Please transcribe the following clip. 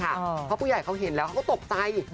เพราะผู้ใหญ่เขาเห็นแล้วเขาก็ตกใจ